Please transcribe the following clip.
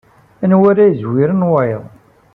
Anwa ara yezwiren wayeḍ.